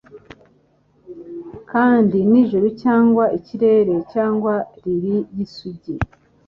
Kandi n'ijuru cyangwa ikirere cyangwa lili y'isugi